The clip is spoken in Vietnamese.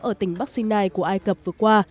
ở tỉnh bắc sinai của ai cập vừa qua